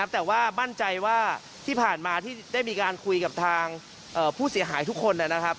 แต่ว่าบั้นใจว่าที่ผ่านมาที่ได้มีการคุยทางผู้เสียหาส์ทุกคน